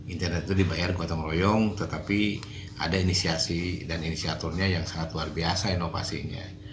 internet itu dibayar gotong royong tetapi ada inisiasi dan inisiaturnya yang sangat luar biasa inovasinya